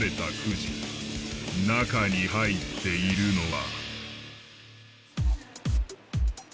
中に入っているのは。